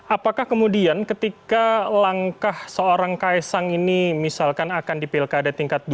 apakah kemudian ketika langkah seorang kaesang ini misalkan akan dipilkada di tingkat dua